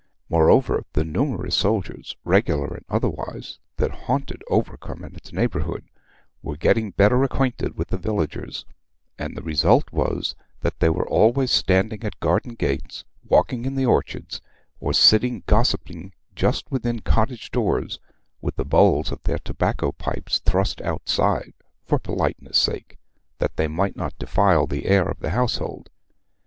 Moreover, the numerous soldiers, regular and otherwise, that haunted Overcombe and its neighbourhood, were getting better acquainted with the villagers, and the result was that they were always standing at garden gates, walking in the orchards, or sitting gossiping just within cottage doors, with the bowls of their tobacco pipes thrust outside for politeness' sake, that they might not defile the air of the household.